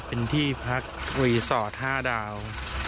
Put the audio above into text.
เป็นที่พักรีสอร์ท๕ดาว